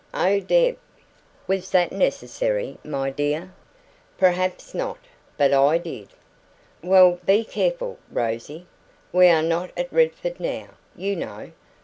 "Oh, Deb!" "Was that necessary, my dear?" "Perhaps not. But I did." "Well, be careful, Rosie. We are not at Redford now, you know.